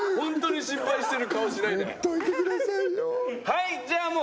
はいじゃあもう。